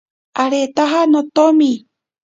Aretaja notomi.